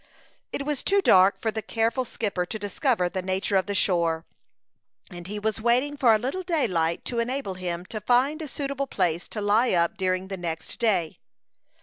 It was too dark for the careful skipper to discover the nature of the shore, and he was waiting for a little daylight to enable him to find a suitable place to lie up during the next day.